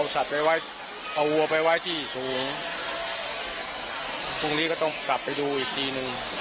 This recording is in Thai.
พรุ่งนี้ก็ต้องกลับไปดูอีกตีนึง